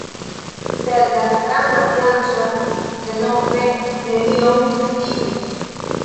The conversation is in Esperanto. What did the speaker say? Sed la stranga fianĉo denove nenion skribis.